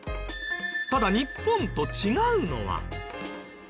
ただ日本と違うのは。